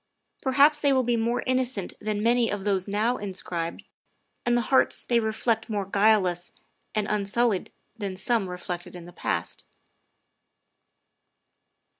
Perhaps they will be more inno cent than many of those now inscribed, and the hearts they reflect more guileless and unsullied than some reflected in the past.